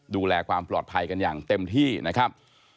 ดูแลความปลอดภัยกันอย่างเต็มที่นะครับ